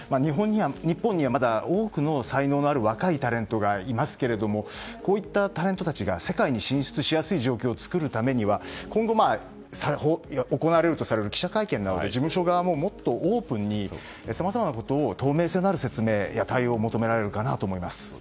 日本にはまだ多くの才能のある若いタレントがいますがこういったタレントたちが世界に進出しやすい状況を作るためには、今後行われるとされる記者会見など事務所側ももっとオープンにさまざまなことを透明性のある説明対応が求められると思います。